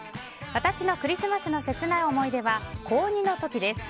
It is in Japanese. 私のクリスマスの切ない思い出は高２の時です。